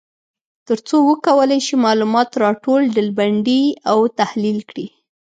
تر څو وکولای شي معلومات را ټول، ډلبندي او تحلیل کړي.